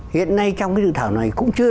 hiện nay trong cái dự thảo này cũng chưa